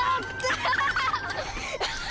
ハハハハ！